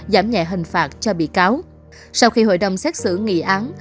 giảm nhẹ hình phạt cho bị cáo sau khi hội đồng xét xử nghị án